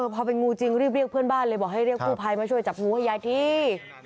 พอเป็นงูจริงรีบเรียกเพื่อนบ้านเลยบอกให้เรียกกู้ภัยมาช่วยจับงูให้ยายที